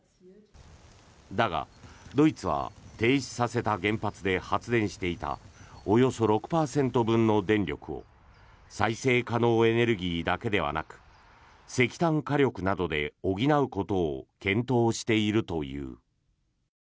だが、ドイツは停止させた原発で発電していたおよそ６％分の電力を再生可能エネルギーだけではなく石炭火力などで補うことを検討しているという。